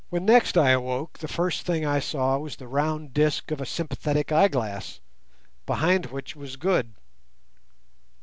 When next I awoke the first thing I saw was the round disc of a sympathetic eyeglass, behind which was Good.